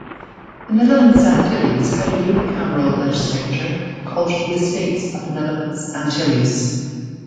The Netherlands Antilles had a unicameral legislature called the Estates of the Netherlands Antilles.